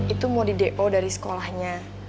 itu mau di depo dari sekolahnya